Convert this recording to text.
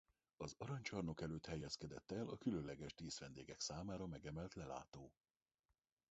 Az arany csarnok előtt helyezkedett el a különleges díszvendégek számára megemelt lelátó.